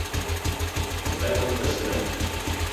Contén moitas sementes.